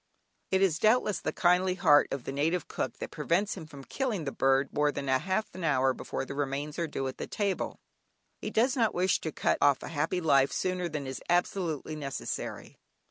It is, doubtless, the kindly heart of the native cook that prevents him killing the bird more than half an hour before the remains are due at table; he does not wish to cut off a happy life sooner than is absolutely necessary.